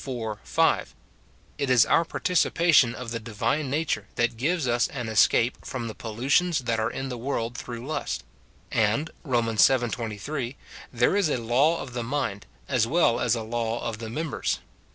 160 MORTIFICATION OF It is our participation of the divine nature that gives us an escape from the pollutions that are in the world through lust; and, Rom. vii.*23, there is a law of the mind, as well as a law of the members.